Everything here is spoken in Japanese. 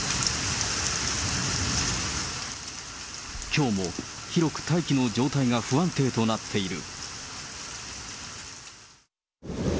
きょうも広く大気の状態が不安定となっている。